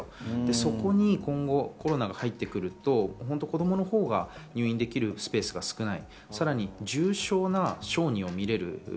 そこに今後コロナが入ってくると子供のほうが入院できるスペースが少ない。